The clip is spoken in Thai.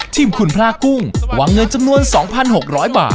ทีมขุนพระกุ้งหวังเงินจำนวนสองพันห้องร้อยบาท